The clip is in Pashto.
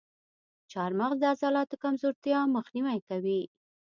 چارمغز د عضلاتو کمزورتیا مخنیوی کوي.